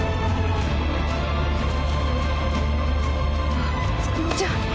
あっつくもちゃん！